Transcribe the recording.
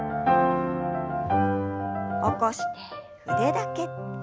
起こして腕だけ。